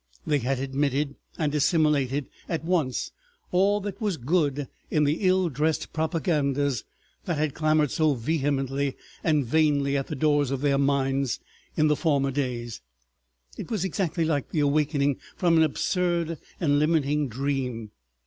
They had admitted and assimilated at once all that was good in the ill dressed propagandas that had clamored so vehemently and vainly at the doors of their minds in the former days. It was exactly like the awakening from an absurd and limiting dream.